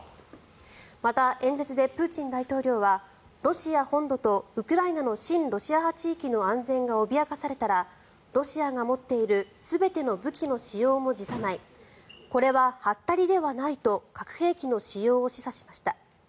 また、演説でプーチン大統領はロシア本土とウクライナの親ロシア派地域の安全が脅かされたらロシアが持っている全ての武器の使用も辞さないこれは、はったりではないと核兵器の使用を示唆しました。